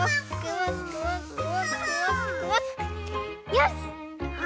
よし！